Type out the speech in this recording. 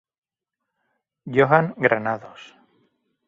Johan Granados